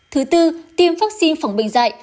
thứ bốn tiêm vaccine phòng bệnh dạy